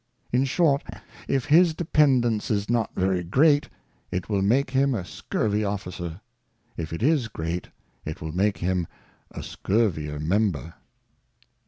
In short, if his dependance is not very great, it will make him a scurvy Officer; if it is great, it will make him a scurvier Member.